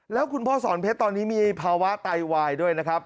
แล้วคุณพ่อสอนเพชรตอนนี้มีภาวะไตวายด้วยนะครับ